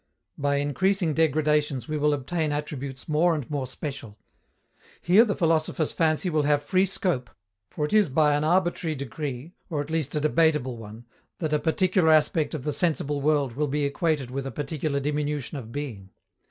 By increasing degradations we will obtain attributes more and more special. Here the philosopher's fancy will have free scope, for it is by an arbitrary decree, or at least a debatable one, that a particular aspect of the sensible world will be equated with a particular diminution of being.